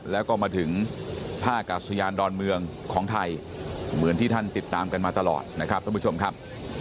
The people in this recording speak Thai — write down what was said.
แล้วก็มาถึงท่ากาศยานดอนเมืองของไทยเหมือนที่ท่านติดตามกันมาตลอดนะครับท่านผู้ชมครับ